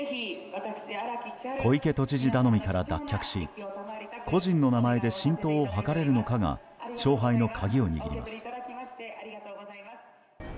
小池都知事頼みから脱却し個人の名前で浸透を図れるのかが勝敗の鍵を握ります。